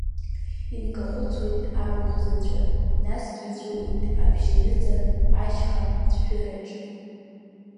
Инкахәыцуеит абахә заҵәы, насгьы иҵәыуоит абжьы ныҵак ашьха цәҳәыраҿ.